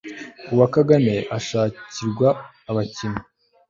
uwa kagame ushakirwa abakannyi